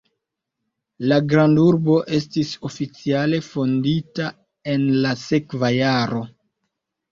La grandurbo estis oficiale fondita en la sekva jaro.